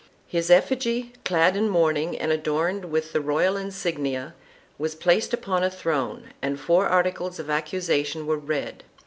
His effigy, clad in mourning and adorned with .the royal insignia, was placed upon a throne and four articles of accusation were read.